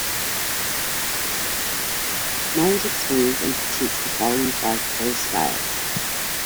Myers explains and critiques the following five prose styles.